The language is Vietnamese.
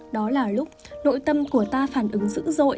đó là lúc nội tâm của ta phản ứng dữ dội